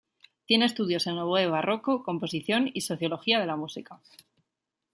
Tiene estudios en oboe barroco, composición y Sociología de la Música.